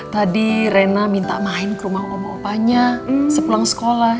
tadi rena minta main ke rumah omo opanya sepulang sekolah